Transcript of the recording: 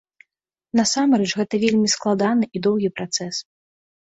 Насамрэч, гэта вельмі складаны і доўгі працэс.